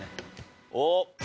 おっ。